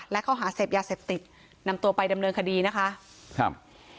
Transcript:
และข้อหาเสพยาเสพติดนำตัวไปดำเนินคดีนะคะครับ